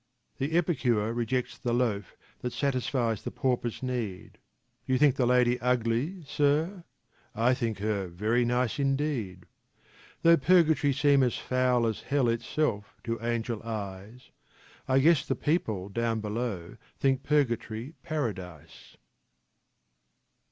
The epicure rejects the loaf that satisfies the pauper's need. You think the lady ugly, Sir? I think her very nice indeed. Though purgatory seem as foul as Hell itself to angel eyes, I guess the people down below think Purgatory Paradise.